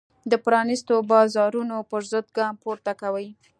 د پرانیستو بازارونو پرضد ګام پورته کوي.